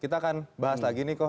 kita akan bahas lagi nih kok